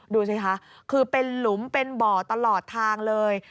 ดูสิคะคือเป็นหลุมเป็นบ่อตลอดทางเลย